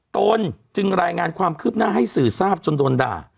ตนจึงรายงานความคืบหน้าให้สื่อทราบจนโดนด่า